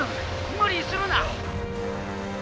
無理するな！」。